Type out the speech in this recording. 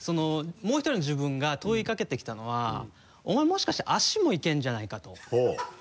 もう１人の自分が問いかけてきたのはお前もしかして足もいけるんじゃないか？と。